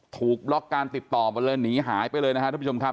ถูกล็อกการติดต่อหนีหายไปเลย